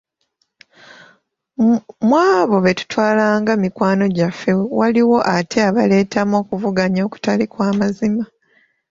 Mu abo be tutwalanga mikwano gyaffe waliwo ate abaleetamu okuvuganya okutali kwa mazima.